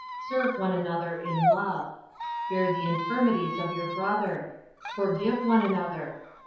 Serve one another in love. Bear the infirmities of your brother. Forgive one another.